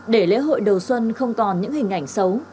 để lễ hội đầu xuân không còn những hình ảnh xấu